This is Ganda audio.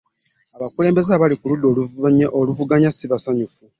Abakulembeze abali ku ludda oluvuganya sibasanyufu.